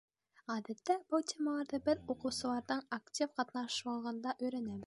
Ғәҙәттә, был темаларҙы беҙ уҡыусыларҙың актив ҡатнашлығында өйрәнәбеҙ.